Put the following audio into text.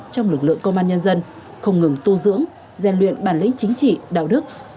trong lực lượng công an nhân dân không ngừng tu dưỡng gian luyện bản lĩnh chính trị đạo đức